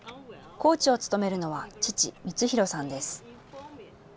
コーチを務めるのは父、充弘さんです。